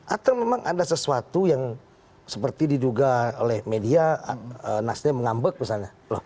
atau memang ada sesuatu yang seperti diduga oleh media nasdem mengambek misalnya